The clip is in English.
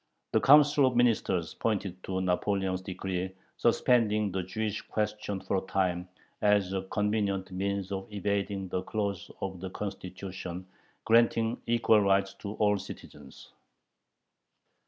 The Council of Ministers pointed to Napoleon's decree suspending the Jewish question for a time as a convenient means of evading the clause of the Constitution granting equal rights to all citizens.